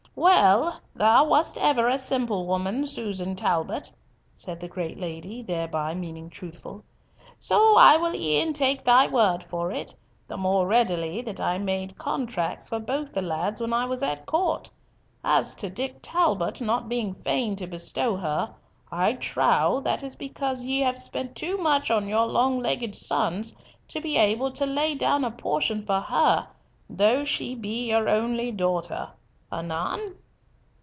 "Well, thou wast ever a simple woman, Susan Talbot," said the great lady, thereby meaning truthful, "so I will e'en take thy word for it, the more readily that I made contracts for both the lads when I was at court. As to Dick Talbot not being fain to bestow her, I trow that is because ye have spent too much on your long legged sons to be able to lay down a portion for her, though she be your only daughter. Anan?"